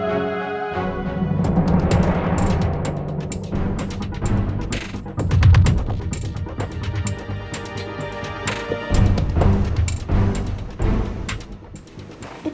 itu tante lagi ngapain